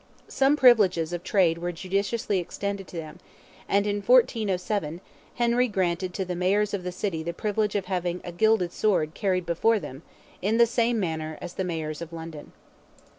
Some privileges of trade were judiciously extended to them, and, in 1407, Henry granted to the Mayors of the city the privilege of having a gilded sword carried before them, in the same manner as the Mayors of London.